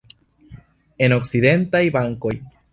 En okcidentaj bankoj.